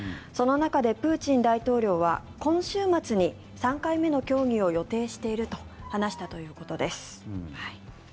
その中でプーチン大統領は今週末に３回目の協議を予定していると話したということです。